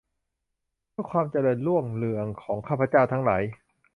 เพื่อความเจริญรุ่งเรืองของข้าพเจ้าทั้งหลาย